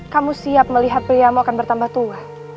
kamu siap melihat pria mu akan bertambah tua